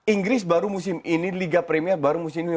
inggris baru musim ini liga premier baru musim ini